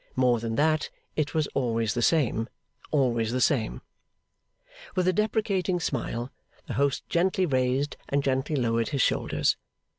More than that, it was always the same, always the same. With a deprecating smile, the host gently raised and gently lowered his shoulders.